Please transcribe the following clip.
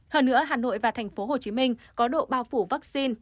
hơn nữa hà nội và thành phố hồ chí minh có độ bao phủ vaccine